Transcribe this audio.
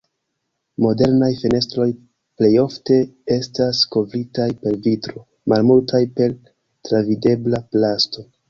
Modernaj fenestroj plejofte estas kovritaj per vitro; malmultaj per travidebla plasto.